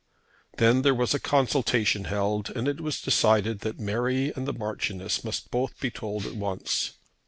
Then there was a consultation held, and it was decided that Mary and the Marchioness must both be told at once.